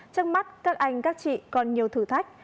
trước mắt các anh các chị còn nhiều thử thách